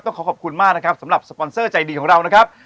ขอขอบคุณมากนะครับสำหรับสปอนเซอร์ใจดีของเรานะครับ